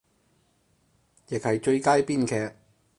亦係最佳編劇